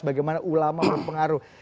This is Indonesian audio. bagaimana ulama berpengaruh